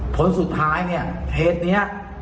ผลสุดท้ายเนี่ยเพจนี้